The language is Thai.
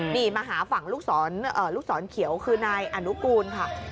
นี่มาหาฝั่งลูกศรเขียวคือนายอนุกูลค่ะ